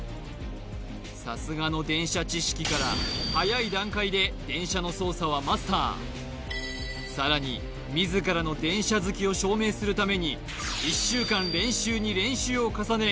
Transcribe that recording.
さすがの電車知識から早い段階で電車の操作はマスターさらに自らの電車好きを証明するために１週間練習に練習を重ね